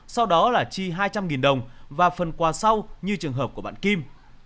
sau đó là chi hai trăm linh đồng và phần quà sau như trường hợp của bạn kim